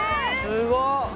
すごっ！